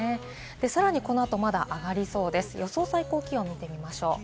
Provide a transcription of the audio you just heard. さらにこの後上がりそうですから、予想最高気温を見てみましょう。